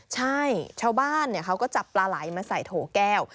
ใช่ชาวบ้านเขาก็จับปลาไหลมาใส่โถแก้ว